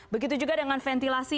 begitu juga dengan ventilasi